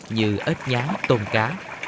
như ếch nhán tôm cá